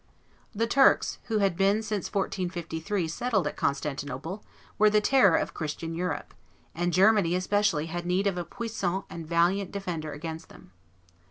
The Turks, who had been since 1453 settled at Constantinople, were the terror of Christian Europe; and Germany especially had need of a puissant and valiant defender against them.